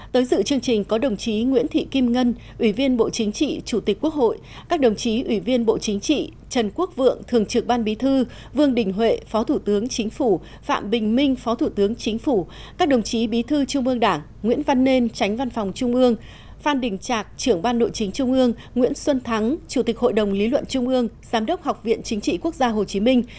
tới dự chương trình có đồng chí nguyễn thị kim ngân ủy viên bộ chính trị chủ tịch quốc hội các đồng chí ủy viên bộ chính trị trần quốc vượng thường trưởng ban bí thư vương đình huệ phó thủ tướng chính phủ phạm bình minh phó thủ tướng chính phủ các đồng chí bí thư trung ương đảng nguyễn văn nên tránh văn phòng trung ương phan đình trạc trưởng ban nội chính trung ương nguyễn xuân thắng chủ tịch hội đồng lý luận trung ương giám đốc học viện chính trị quốc gia hồ chí minh